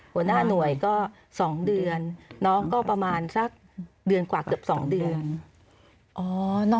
หัวหน้าหน่วยก็๒เดือนน้องก็ประมาณสักเดือนกว่าเกือบ๒เดือน